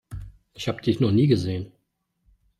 Ich habe dich noch nie gesehen.